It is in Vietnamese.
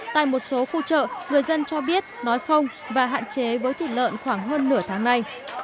tại một số khu chợ người dân cho biết nói không và hạn chế với thịt lợn khoảng hơn nửa tháng nay